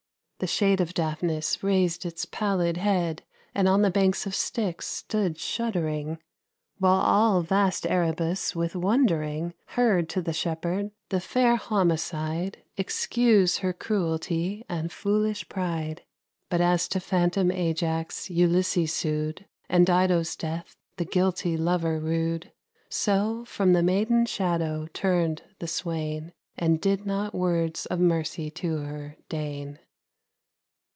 The shade of Daphnis raised its pallid head, And on the banks of Styx stood shuddering; While all vast Erebus, with wondering, Heard to the shepherd the fair homicide Excuse her cruelty and foolish pride. But as to phantom Ajax Ulysses sued, And Dido's death the guilty lover rued, So from the maiden's shadow turned the swain, And did not words of mercy to her deign.